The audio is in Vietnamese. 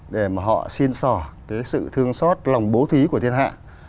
để mà họ xin sỏ cái sự thương xót lòng bố thí của thiên hạ